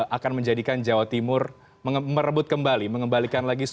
akan menjadikan jawa timur merebut kembali mengembalikan lagi suara p tiga